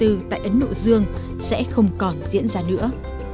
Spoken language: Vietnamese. năm hai nghìn bốn tại ấn độ dương sẽ không còn diễn ra nữa